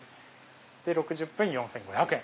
で６０分４５００円。